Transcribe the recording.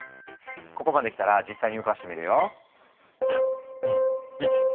ここまできたら実際に動かしてみるよ。